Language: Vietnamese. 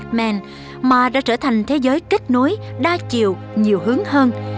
thế giới của batman mà đã trở thành thế giới kết nối đa chiều nhiều hướng hơn